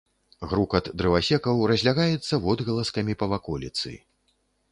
Грукат дрывасекаў разлягаецца водгаласкамі па ваколіцы.